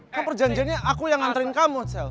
kan perjanjiannya aku yang nganterin kamu sel